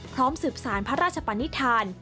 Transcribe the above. สืบสารพระราชปนิษฐาน